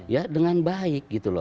ya dengan baik gitu loh